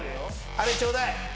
あれちょうだい！